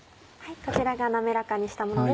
こちらが滑らかにしたものです。